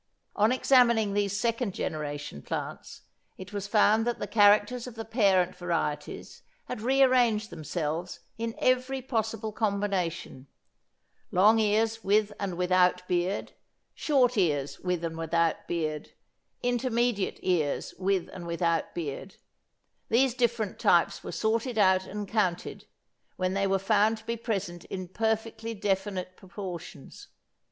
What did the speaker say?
On examining these second generation plants it was found that the characters of the parent varieties had rearranged themselves in every possible combination, long ears with and without beard, short ears with and without beard, intermediate ears with and without beard, as shown in Fig. 4. These different types were sorted out and counted, when they were found to be present in perfectly definite proportions.